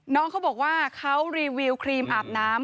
น้องเขาบอกว่าเขารีวิวครีมอาบน้ำ